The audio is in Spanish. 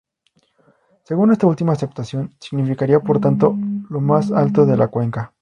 Según esta última acepción significaría, por tanto, lo más alto de la cuenca.